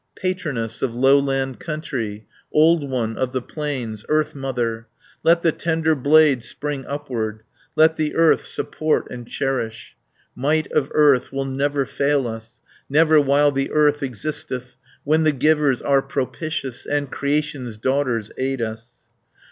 "Patroness of lowland country, 300 Old one of the plains; Earth Mother, Let the tender blade spring upward, Let the earth support and cherish. Might of earth will never fail us, Never while the earth existeth, When the Givers are propitious. And Creation's daughters aid us.